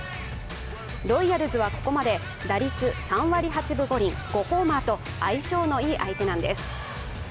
ロイヤルズはここまで打率３割８分５厘、５ホーマーと相性のいい相手なんです。